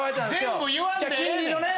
全部言わんでええねん。